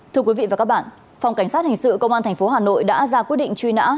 thưa quý vị và các bạn phòng cảnh sát hình sự công an tp hà nội đã ra quyết định truy nã